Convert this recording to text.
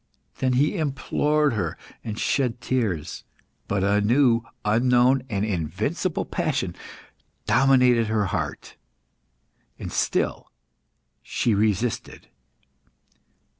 Then he implored her, and shed tears. But a new, unknown, and invincible passion dominated her heart, and she still resisted.